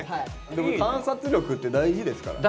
でも観察力って大事ですからね。